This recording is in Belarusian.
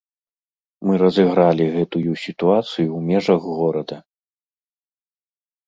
Мы разыгралі гэтую сітуацыю ў межах горада.